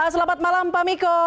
selamat malam pak miko